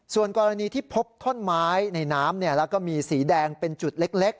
ส่วนกรณีที่พบท่อนไม้ในน้ำแล้วก็มีสีแดงเป็นจุดเล็ก